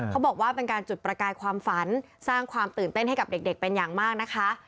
เขาบอกว่าเป็นการจุดประกายความฝันสร้างความตื่นเต้นให้กับเด็กเป็นอย่างมากนะคะ